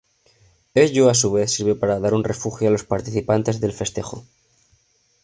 Ello a su vez sirve para dar un refugio a los participantes del festejo.